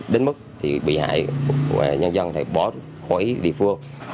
đến mức bị hại nhân dân bỏ khỏi địa phương